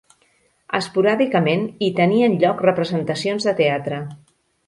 Esporàdicament hi tenien lloc representacions de teatre.